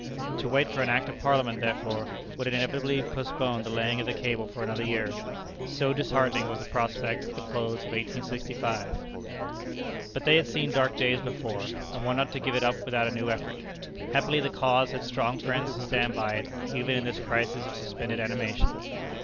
To wait for an act of Parliament, therefore, would inevitably postpone the laying of the cable for another year. So disheartening was the prospect at the close of 1865. But they had seen dark days before, and were not to give it up without a new effort. Happily, the cause had strong friends to stand by it even in this crisis of suspended animation.